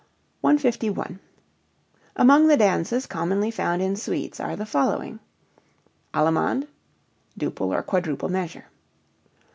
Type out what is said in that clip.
151. Among the dances commonly found in suites are the following: Allemande duple or quadruple measure.